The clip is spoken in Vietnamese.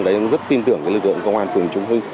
đấy cũng rất tin tưởng lực lượng công an phường trung hưng